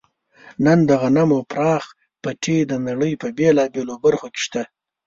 نن د غنمو پراخ پټي د نړۍ په بېلابېلو برخو کې شته.